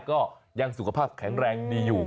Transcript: ก็ยังสุขภาพแข็งแรงดีอยู่